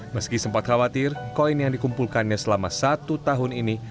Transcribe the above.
meski sempat khawatir koin yang dikumpulkannya selama satu tahun ini